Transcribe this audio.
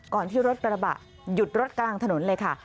ที่รถกระบะหยุดรถกลางถนนเลยค่ะ